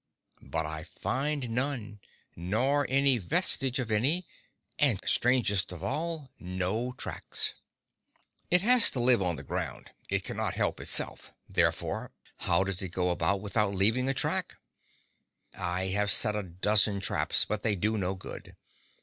But I find none, nor any vestige of any; and strangest of all, no tracks. It has to live on the ground, it cannot help itself; therefore, how does it get about without leaving a track? I have set a dozen traps, but they do no good.